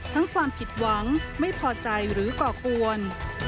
ความผิดหวังไม่พอใจหรือก่อกวน